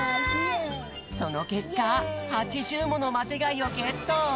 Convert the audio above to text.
そのけっか８０ものマテがいをゲット！